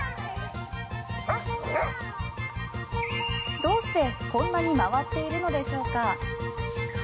どうしてこんなに回っているのでしょうか。